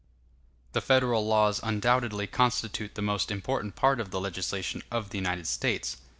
The Federal laws undoubtedly constitute the most important part of the legislation of the United States.